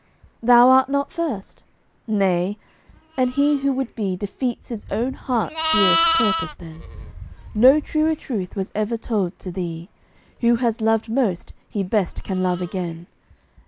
"Thou art not first?" Nay, and he who would be Defeats his own heart's dearest purpose then. No truer truth was ever told to thee Who has loved most, he best can love again.